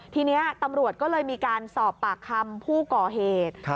ทีนี้ตำรวจก็เลยมีการสอบปากคำผู้ก่อเหตุ